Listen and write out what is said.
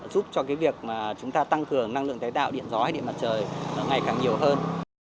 giúp cho cái việc mà chúng ta tăng cường năng lượng tái tạo điện gió hay điện mặt trời ngày càng nhiều hơn